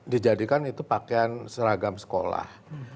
dijadikan itu pakaian seragam sekolah